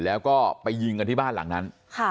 แล้วก็ไปยิงกันที่บ้านหลังนั้น